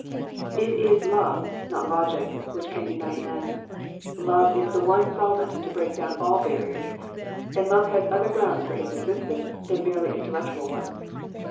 It is love, not logic, which can unite men. Love is the one solvent to break down all barriers, and love has other grounds for its existence than merely intellectual ones.